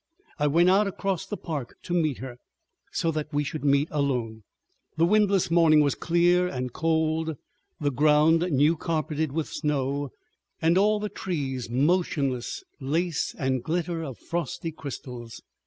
I went out across the park to meet her, so that we should meet alone. The windless morning was clear and cold, the ground new carpeted with snow, and all the trees motionless lace and glitter of frosty crystals.